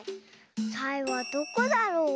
サイはどこだろう。